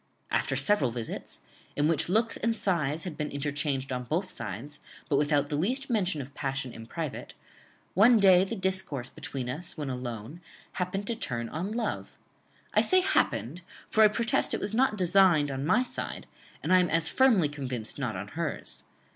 "After several visits, in which looks and sighs had been interchanged on both sides, but without the least mention of passion in private, one day the discourse between us when alone happened to turn on love; I say happened, for I protest it was not designed on my side, and I am as firmly convinced not on hers.